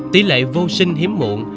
tỷ lệ vô sinh hiếm muộn